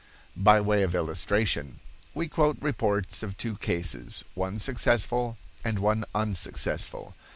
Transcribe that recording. By way of illustration, we quote reports of two cases, one successful and one unsuccessful.